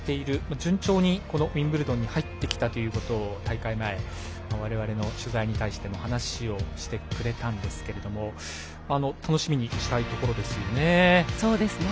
順調にこのウィンブルドンに入ってきたということを大会前にわれわれの取材に対しても話をしてくれたんですが楽しみにしたいところですよね。